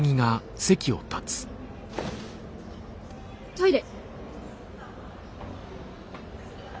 トイレ！